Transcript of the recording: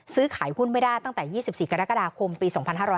ซื้อขายหุ้นไม่ได้ตั้งแต่๒๔กรกฎาคมปี๒๕๕๙